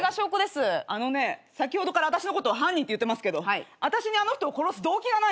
あのね先ほどからあたしのこと犯人って言ってますけどあたしにあの人を殺す動機がないんですよ。